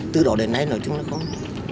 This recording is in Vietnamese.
từ đó đến nay nói chung là không